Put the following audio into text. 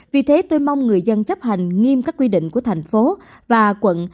vì thế tôi mong người dân chấp hành nghiêm các quy định của thành phố và quận